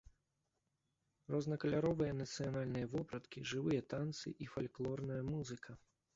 Рознакаляровыя нацыянальныя вопраткі, жывыя танцы і фальклорная музыка.